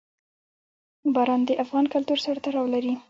باران د افغان کلتور سره تړاو لري.